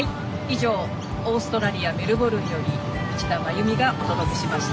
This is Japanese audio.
以上オーストラリアメルボルンより内田真弓がお届けしました。